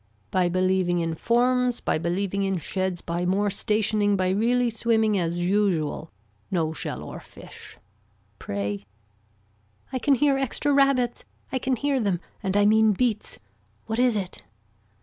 By believing in forms by believing in sheds by more stationing by really swimming as usual, no shell or fish. Pray. I can hear extra rabbits, I can hear them and I mean beats. What is it.